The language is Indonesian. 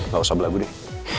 gak usah belagu deh